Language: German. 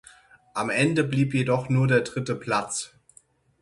Am Ende blieb jedoch nur der dritte Platz.